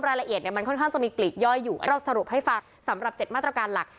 รายละเอียดเนี่ยมันค่อนข้างจะมีปลีกย่อยอยู่เราสรุปให้ฟังสำหรับ๗มาตรการหลัก